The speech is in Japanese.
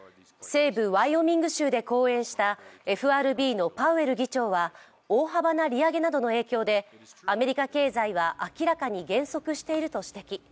西部ワイオミング州で講演したＦＲＢのパウエル議長は大幅な利上げなどの影響でアメリカ経済は明らかに減速していると指摘。